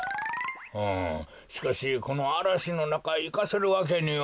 うんしかしこのあらしのなかいかせるわけには。